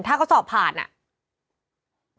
ถ้าเขาสอบผ่านอ่ะ